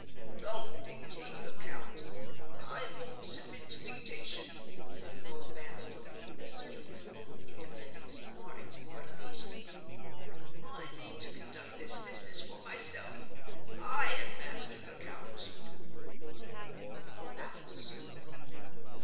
"Don't dictate, Lecount! I won't submit to dictation!" said Noel Vanstone, asserting his own independence more and more impatiently. "I mean to conduct this business for myself. I am master, Lecount!" "You are master, sir."